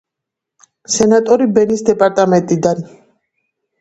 სენატორი ბენის დეპარტამენტიდან.